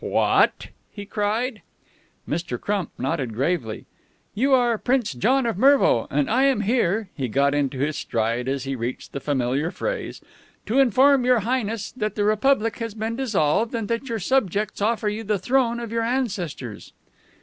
"What!" he cried. Mr. Crump nodded gravely. "You are Prince John of Mervo, and I am here " he got into his stride as he reached the familiar phrase "to inform Your Highness that the Republic has been dissolved, and that your subjects offer you the throne of your ancestors."